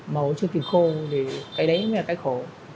màu chưa kịp khô thì cái đấy mới là cái khổ